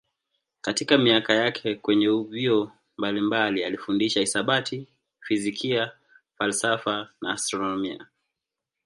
Katika miaka yake kwenye vyuo mbalimbali alifundisha hisabati, fizikia, falsafa na astronomia.